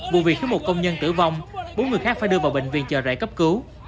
vụ việc khiến một công nhân tử vong bốn người khác phải đưa vào bệnh viện chờ rễ cấp cứu